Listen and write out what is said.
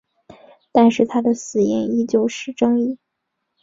但是他的死因依然是争议。